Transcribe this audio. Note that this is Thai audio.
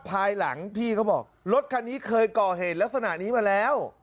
ภายหลังพี่เขาบอกรถคันนี้เคยก่อเหตุลักษณะนี้มาแล้ว